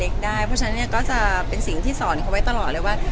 เพราะฉะนั้นก็จะเป็นสิ่งที่สอนเขาไว้ตลอดเลยว่า